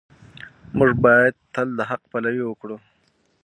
موږ باید تل د حق پلوي وکړو.